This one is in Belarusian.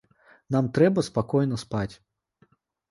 Нам трэба спакойна спаць.